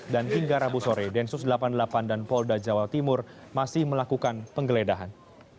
dan hingga rabu sore densus delapan puluh delapan dan polda jawa timur masih melakukan penggeledahan